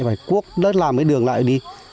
phải cuốc đớt làm cái đường lại đi